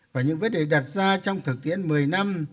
và những vấn đề đặt ra trong thực tiễn một mươi năm